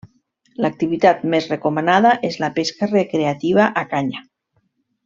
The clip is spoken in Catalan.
L'activitat més recomanada és la pesca recreativa a canya.